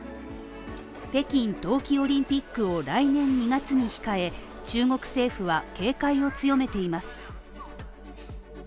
北京冬季オリンピックを来年２月に控え中国政府は警戒を強めています。